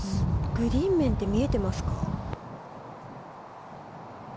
グリーン面って見えてますか？